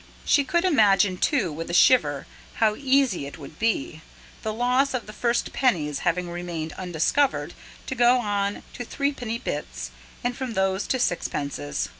She could imagine, too, with a shiver, how easy it would be, the loss of the first pennies having remained undiscovered, to go on to threepenny bits, and from these to sixpences.